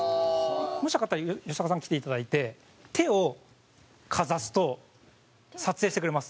もし、よかったら吉高さん来ていただいて手をかざすと撮影してくれます。